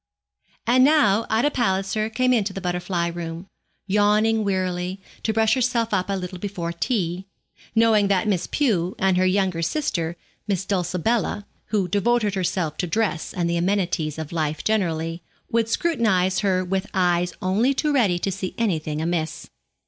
And now Ida Palliser came into the butterfly room, yawning wearily, to brush herself up a little before tea, knowing that Miss Pew and her younger sister, Miss Dulcibella who devoted herself to dress and the amenities of life generally would scrutinize her with eyes only too ready to see anything amiss.